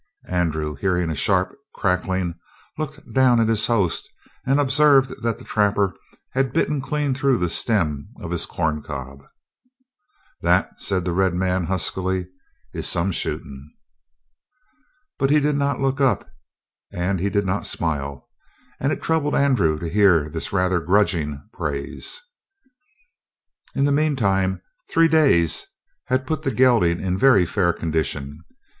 Andrew, hearing a sharp crackling, looked down at his host and observed that the trapper had bitten clean through the stem of his corncob. "That," said the red man huskily, "is some shootin'." But he did not look up, and he did not smile. And it troubled Andrew to hear this rather grudging praise. In the meantime, three days had put the gelding in very fair condition.